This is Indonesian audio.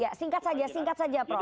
ya singkat saja singkat saja prof